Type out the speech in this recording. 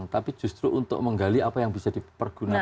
tapi justru untuk menggali apa yang bisa dipergunakan